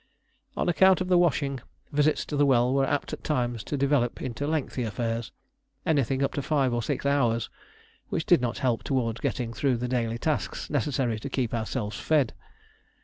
On account of the washing, visits to the well were apt at times to develop into lengthy affairs anything up to five or six hours, which did not help towards getting through the daily tasks necessary to keep ourselves fed.